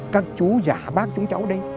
các chú giả bác chúng cháu đây